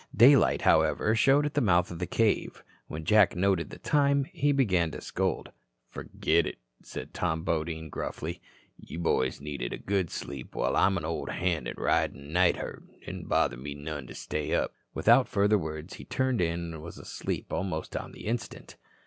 Day light, however, showed at the mouth of the cave. When Jack noted the time, he began to scold. "Forgit it," said Tom Bodine, gruffly. "You boys needed a good sleep while I'm an old hand at ridin' night herd. It didn't bother me none to stay up." Without further words, he turned in and was asleep almost on the instant.